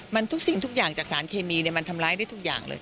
มันทุกสิ่งทุกอย่างจากสารเคมีมันทำร้ายได้ทุกอย่างเลย